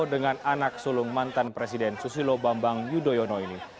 dengan anak sulung mantan presiden susilo bambang yudhoyono ini